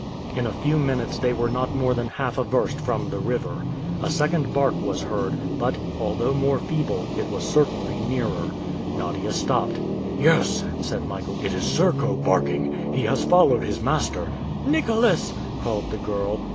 In a few minutes they were not more than half a verst from the river. A second bark was heard, but, although more feeble, it was certainly nearer. Nadia stopped. "Yes!" said Michael. "It is Serko barking!... He has followed his master!" "Nicholas!" called the girl.